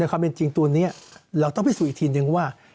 ความเป็นจริงตัวนี้เราต้องพิสูจน์อีกทีนึงว่า